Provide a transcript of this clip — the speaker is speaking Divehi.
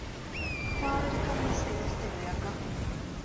އުފާވެރި ކަންވެސް ގެނެސްދިން ރެއަކަށް